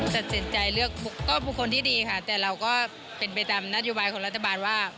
ตัดสินใจเลือกก็บุคคลที่ดีค่ะแต่เราก็เป็นไปตามนโยบายของรัฐบาลว่า